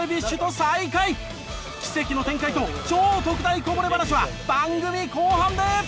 奇跡の展開と超特大こぼれ話は番組後半で。